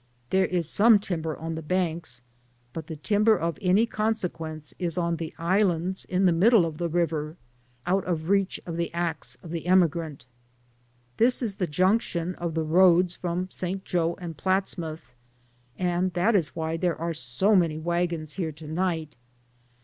There is some timber on the banks, but the timber of any consequence is on the islands in the middle of the river, out of reach of the axe of the emigrant. This is the junc tion of the roads from St. Joe and Platts mouth, and that is why there are so many wagons here to night.